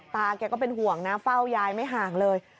แกก็เป็นห่วงนะเฝ้ายายไม่ห่างเลย